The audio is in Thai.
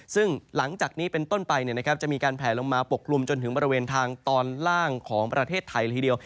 ซึ่งหลังจากนี้เป็นต้นไปจะมีการแผลลงมาปกคลุมจนถึงบริเวณทางตอนล่างของประเทศไทยละทีเดียว